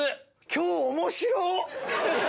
今日面白っ！